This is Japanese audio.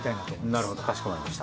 なるほどかしこまりました。